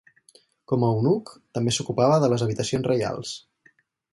Com a eunuc també s'ocupava de les habitacions reials.